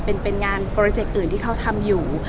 เป็นงานโปรเจกต์อื่นที่เขาทำอยู่